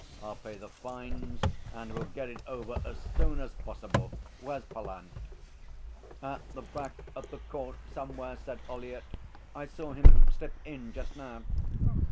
I'll pay the fines and we'll get it over as soon as possible. Where's Pallant?' 'At the back of the court somewhere,' said Ollyett. 'I saw him slip in just now.'